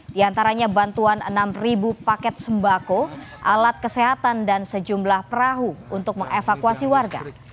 di antaranya bantuan enam paket sembako alat kesehatan dan sejumlah perahu untuk mengevakuasi warga